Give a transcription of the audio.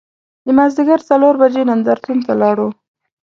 د مازدیګر څلور بجې نندار تون ته لاړو.